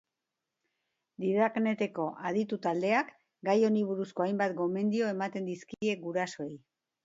Didakneteko aditu taldeak gai honi buruzko hainbat gomendio ematen dizkie gurasoei.